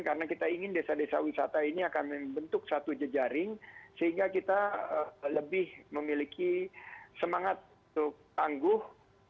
karena kita ingin desa desa wisata ini akan membentuk satu jejaring sehingga kita lebih memiliki semangat untuk tangguh